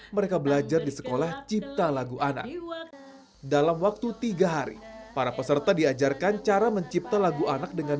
mencipta lagu anak dalam waktu tiga hari para peserta diajarkan cara mencipta lagu anak dengan